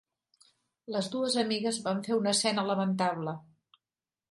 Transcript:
Les dues amigues van fer una escena lamentable.